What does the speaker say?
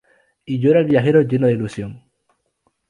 Y yo era el viajero lleno de ilusión.